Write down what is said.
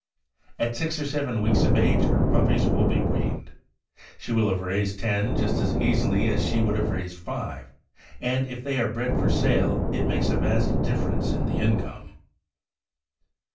At six or seven weeks of age her puppies will be weaned. She will have raised ten just as easily as she would have raised five, and if they are bred for sale it makes a vast dif ference in the income.